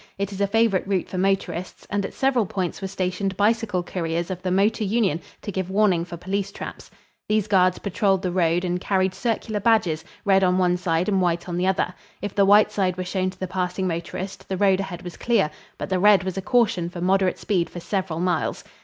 It is a favorite route for motorists, and at several points were stationed bicycle couriers of the Motor Union to give warning for police traps. These guards patrolled the road and carried circular badges, red on one side and white on the other. If the white side were shown to the passing motorist, the road ahead was clear; but the red was a caution for moderate speed for several miles.